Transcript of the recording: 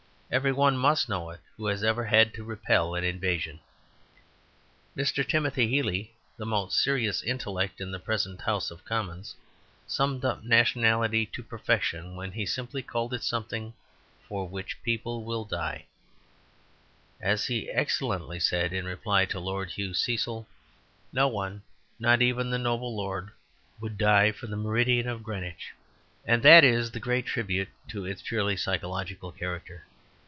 Every one must know it who has ever had to repel an invasion. Mr. Timothy Healy, the most serious intellect in the present House of Commons, summed up nationality to perfection when he simply called it something for which people will die, As he excellently said in reply to Lord Hugh Cecil, "No one, not even the noble lord, would die for the meridian of Greenwich." And that is the great tribute to its purely psychological character.